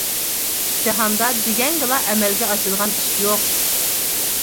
جاھاندا دېگەنگىلا ئەمەلگە ئاشىدىغان ئىش يوق.